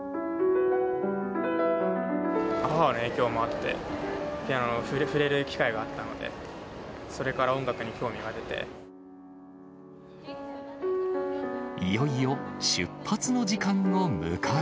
母の影響もあって、ピアノに触れる機会があったので、いよいよ出発の時間を迎え。